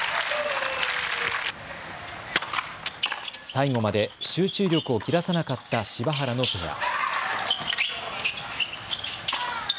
最後まで集中力を切らさなかった柴原のペア。